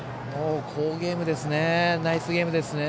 好ゲームですね。